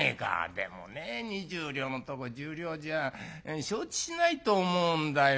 「でもね２０両のとこ１０両じゃ承知しないと思うんだよ。